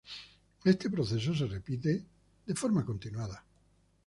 Este proceso se repite de forma continuada.